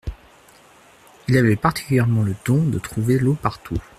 Il avait particulièrement le don de trouver l'eau partout.